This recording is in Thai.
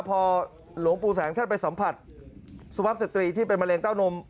พอหลวงปู่แสงท่านไปสัมผัสสุภาพสตรีที่เป็นมะเร็งเต้านม